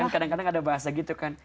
kan kadang kadang ada bahasa gitu kan